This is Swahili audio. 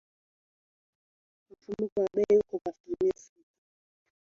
Mfumuko wa bei uko asilimia sita